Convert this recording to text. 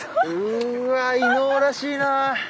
うわ伊野尾らしいな！